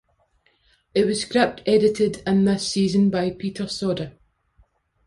It was script edited in this season by Peter Sauder.